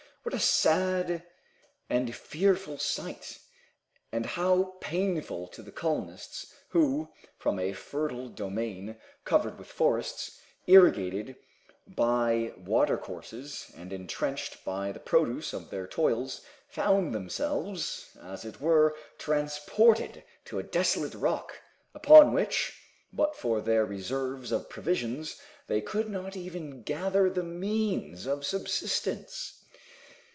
What a sad and fearful sight, and how painful to the colonists, who, from a fertile domain covered with forests, irrigated by watercourses, and enriched by the produce of their toils, found themselves, as it were, transported to a desolate rock, upon which, but for their reserves of provisions, they could not even gather the means of subsistence!